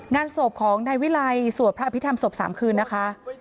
งานศพของนายวิลัยสวดพระอภิษฐรรศพ๓คืนนะคะ